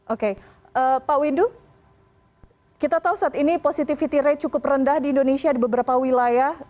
oke pak windu kita tahu saat ini positivity rate cukup rendah di indonesia di beberapa wilayah